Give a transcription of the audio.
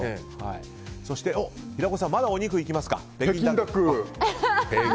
そして、平子さんまだお肉いきますか。